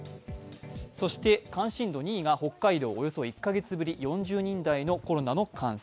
そして関心度２位が北海道、およそ１カ月ぶり、４０人台のコロナの感染。